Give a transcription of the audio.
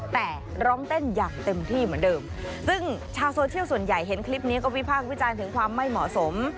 แต่ร้องเต้นอย่างเต็มที่เหมือนเดิมซึ่งชาวโซเชียลส่วนใหญ่เห็นคลิปนี้ก็วิพากษ์วิจารณ์ถึงความไม่เหมาะสม